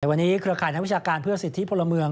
แต่วันนี้เครือข่ายนักวิชาการเพื่อสิทธิพลเมือง